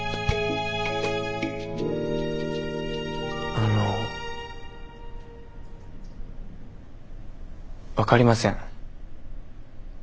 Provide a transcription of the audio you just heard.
あの分かりません。